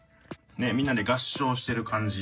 みんなで合唱してる感じ。